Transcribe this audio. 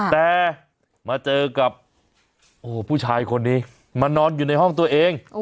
แต่มาเจอกับผู้ชายคนนี้มานอนอยู่ในห้องตัวเอง